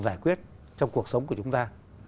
giải quyết trong cuộc sống của chúng ta